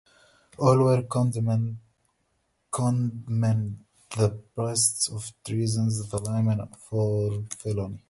All were condemned, the priests for treason, the laymen for felony.